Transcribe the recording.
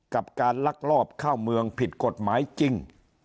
กับการลักลอบเข้าเมืองผิดกฎหมายจริง